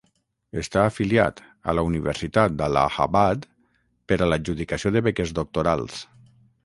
Està afiliat a la Universitat de Allahabad per a l'adjudicació de beques doctorals.